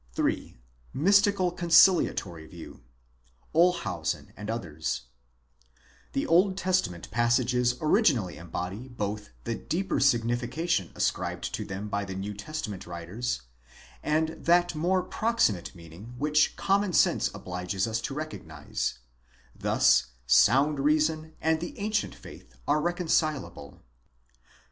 3. Mystical conciliatory view (Olshausen and others): The Old Testament passages originally embody both the deeper signification ascribed to them by the New Testament writers, and that more proximate meaning which common sense obliges us to recognize: thus sound reason and the ancient faith are reconcilable.